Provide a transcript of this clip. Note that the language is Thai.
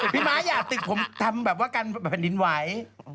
ม้าอย่าตึกผมทำแบบว่าการแผ่นดินไหว